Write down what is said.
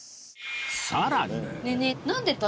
さらに